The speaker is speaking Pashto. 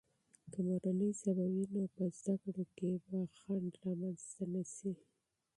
که مورنۍ ژبه وي، نو په زده کړو کې بې خنډ رامنځته نه سي.